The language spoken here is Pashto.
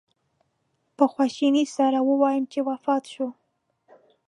په خواشینۍ سره ووایم چې وفات شو.